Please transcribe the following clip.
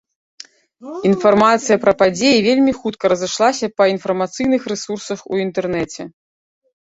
Інфармацыя пра падзеі вельмі хутка разышлася па інфармацыйных рэсурсах у інтэрнэце.